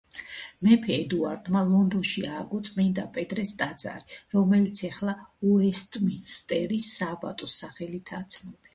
მეფე ედუარდმა ლონდონში ააგო წმინდა პეტრეს ტაძარი, რომელიც ახლა უესტმინსტერის სააბატოს სახელითაა ცნობილი.